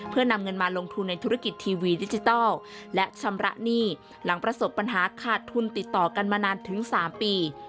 เพื่อนำเงินมาลงทุนในธุรกิจทีวีดิจิทัลและชำระหนี้หลังประสบปัญหาขาดทุนติดต่อกันมานานถึง๓ปี